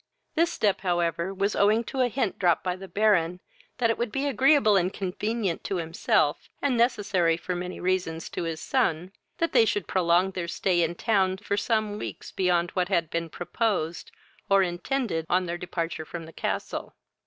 This step, however, was owing to a hint dropped by the Baron, that it would be agreeable and convenient, to himself, and necessary for many reasons to his son, that they should prolong their stay in town for some weeks beyond what had been proposed, or intended on their departure from the castle.